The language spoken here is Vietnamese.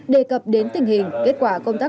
đề cập đến tình hình kết quả công an